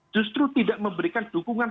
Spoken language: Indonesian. justru tidak memberikan dukungan